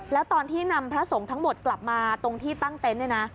แล้วตอนที่นำพระสงฆ์ทั้งหมดกลับมาตรงที่ตั้งเต็นต์เนี่ยนะ